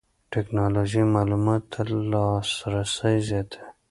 ټکنالوژي معلوماتو ته لاسرسی زیاتوي.